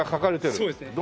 そうですね。